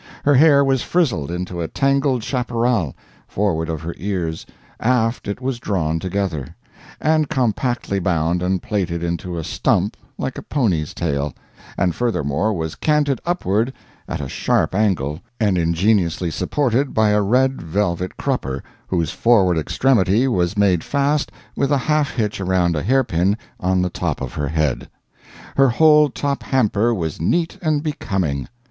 Her hair was frizzled into a tangled chaparral, forward of her ears, aft it was drawn together, and compactly bound and plaited into a stump like a pony's tail, and furthermore was canted upward at a sharp angle, and ingeniously supported by a red velvet crupper, whose forward extremity was made fast with a half hitch around a hairpin on the top of her head. Her whole top hamper was neat and becoming.